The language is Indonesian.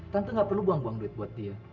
tante gak perlu buang buang duit buat dia